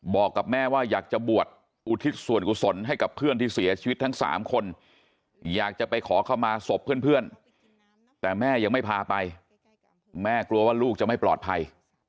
บอกกับแม่ว่าอยากจะบวชอุทิศส่วนกุศลให้กับเพื่อนที่เสียชีวิตทั้ง๓คนอยากจะไปขอเข้ามาศพเพื่อนแต่แม่ยังไม่พาไปแม่กลัวว่าลูกจะไม่ปลอดภัย